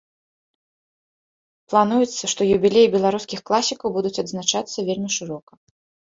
Плануецца, што юбілеі беларускіх класікаў будуць адзначацца вельмі шырока.